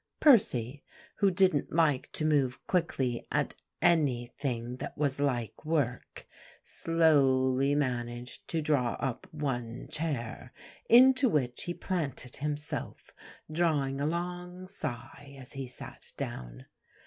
Percy, who didn't like to move quickly at anything that was like work, slowly managed to draw up one chair, into which he planted himself drawing a long sigh as he sat down.